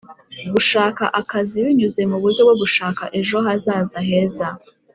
gushaka akazi binyuze mu buryo bwo gushaka ejo hazaza heza